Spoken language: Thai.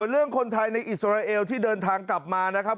เรื่องคนไทยในอิสราเอลที่เดินทางกลับมานะครับ